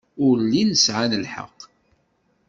Ur llin sɛan lḥeqq.